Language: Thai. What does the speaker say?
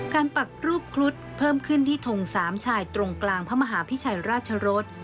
ปักรูปครุฑเพิ่มขึ้นที่ทงสามชายตรงกลางพระมหาพิชัยราชรส